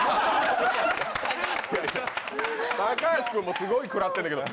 高橋君もすごい食らってるけど。